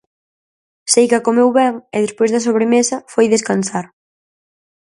Seica comeu ben e despois da sobremesa foi descansar.